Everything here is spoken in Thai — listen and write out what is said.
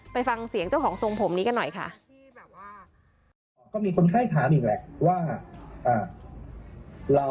ไปฟังเสียงเจ้าของทรงผมนี้กันหน่อยค่ะ